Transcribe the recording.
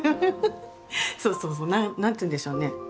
そうそうそう何て言うんでしょうね。